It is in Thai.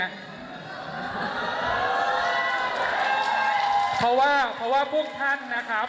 เพราะว่าพวกท่านนะครับ